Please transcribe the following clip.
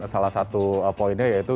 salah satu poinnya yaitu